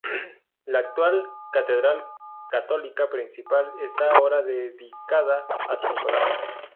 La actual catedral católica principal esta ahora dedicada a San Nicolás.